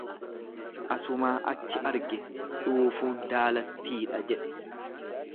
Asumaa achi arge, dhuufuun daalattiidha jedhe.